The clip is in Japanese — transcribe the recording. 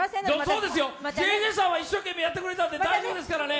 そうですよ、ＪＪさんは一生懸命やってくれたんで、大丈夫ですからね。